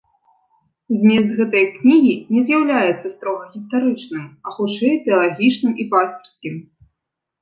Змест гэтай кнігі не з'яўляецца строга гістарычным, а хутчэй тэалагічным і пастырскім.